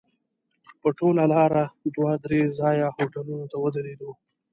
په ټوله لاره دوه درې ځایه هوټلونو ته ودرېدو.